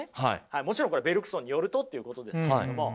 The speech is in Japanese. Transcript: もちろんこれベルクソンによるとっていうことですけれども。